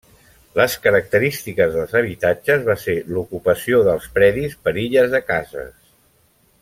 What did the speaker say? Les característiques dels habitatges va ser l'ocupació dels predis per illes de cases.